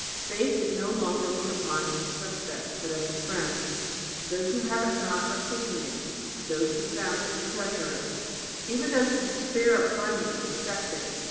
Faith is no longer looked upon as a suspect but as a friend. Those who have it not are seeking it, and those who have found it treasure it. Even those who despair of finding it respect it.